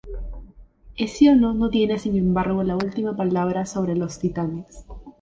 Hesíodo no tiene sin embargo la última palabra sobre los titanes.